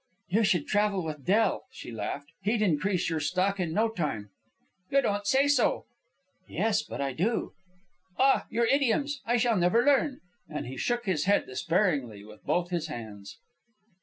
"You should travel with Del," she laughed. "He'd increase your stock in no time." "You don't say so." "Yes, but I do." "Ah! Your idioms. I shall never learn." And he shook his head despairingly with both his hands.